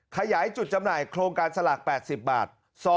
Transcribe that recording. ขยายจุดจำหน่ายโครงการสลาก๘๐บาท